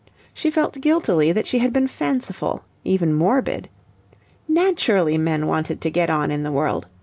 She felt guiltily that she had been fanciful, even morbid. Naturally men wanted to get on in the world.